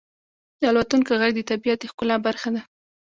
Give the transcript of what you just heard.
• د الوتونکو ږغ د طبیعت د ښکلا برخه ده.